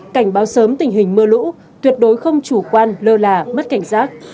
cảnh báo sớm tình hình mưa lũ tuyệt đối không chủ quan lơ là mất cảnh giác